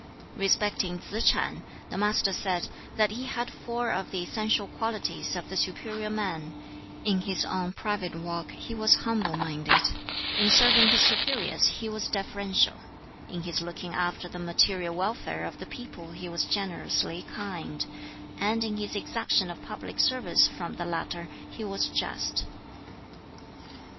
Respecting Tsz ch'an, the Master said that he had four of the essential qualities of the 'superior man': in his own private walk he was humble minded; in serving his superiors he was deferential; in his looking after the material welfare of the people he was generously kind; and in his exaction of public service from the latter he was just.